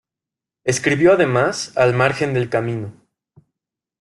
Escribió además "Al margen del camino.